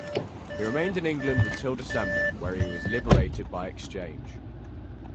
He remained in England until December, when he was liberated by exchange.